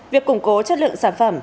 việc củng cố chất lượng sản phẩm